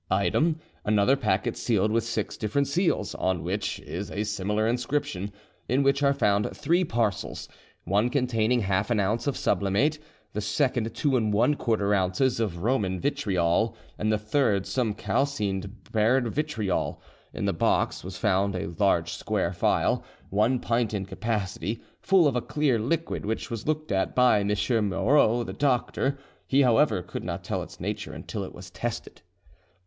"Item, another packet sealed with six different seals, on which is a similar inscription, in which are found three parcels, one containing half an ounce of sublimate, the second 2 1/4 ozs. of Roman vitriol, and the third some calcined prepared vitriol. In the box was found a large square phial, one pint in capacity, full of a clear liquid, which was looked at by M. Moreau, the doctor; he, however, could not tell its nature until it was tested.